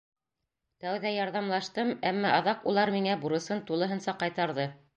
Тәүҙә ярҙамлаштым, әммә аҙаҡ улар миңә бурысын тулыһынса ҡайтарҙы.